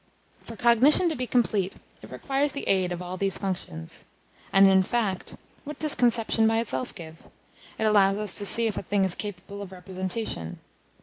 For cognition to be complete, it requires the aid of all these functions. And, in fact, what does conception by itself give? It allows us to see if a thing is capable of representation.